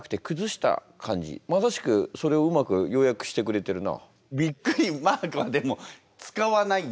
まさしくそれをうまく要約してくれてるな。